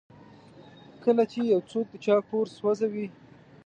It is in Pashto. کله چې یو څوک د چا کور سوځوي.